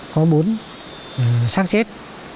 có bốn sát chết